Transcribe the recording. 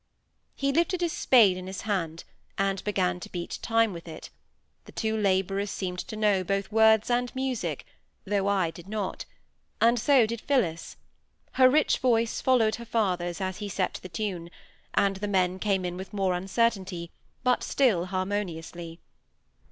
He lifted his spade in his hand, and began to beat time with it; the two labourers seemed to know both words and music, though I did not; and so did Phillis: her rich voice followed her father's as he set the tune; and the men came in with more uncertainty, but still harmoniously.